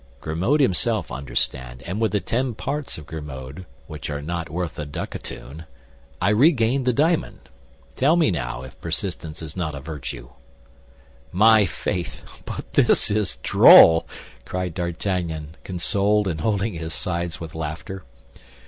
"Grimaud himself, understand; and with the ten parts of Grimaud, which are not worth a ducatoon, I regained the diamond. Tell me, now, if persistence is not a virtue?" "My faith! But this is droll," cried D'Artagnan, consoled, and holding his sides with laughter.